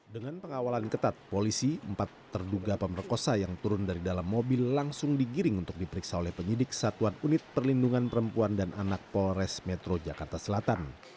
dengan pengawalan ketat polisi empat terduga pemerkosa yang turun dari dalam mobil langsung digiring untuk diperiksa oleh penyidik satuan unit perlindungan perempuan dan anak polres metro jakarta selatan